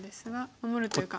守るというか。